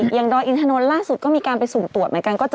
อย่างดอยอินทานนท์ล่าสุดก็มีการไปสุ่มตรวจเหมือนกันก็เจอ